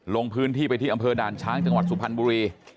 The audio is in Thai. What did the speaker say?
ลงพื้นที่ไปที่อำเภอด่านช้างจังหวัดสุพรรณบุรี